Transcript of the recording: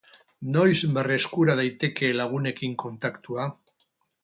Noiz berreskura daiteke lagunekin kontaktua?